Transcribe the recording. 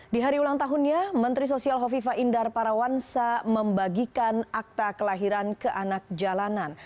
di hari ulang tahunnya menteri sosial hovifa indar parawansa membagikan akta kelahiran ke anak jalanan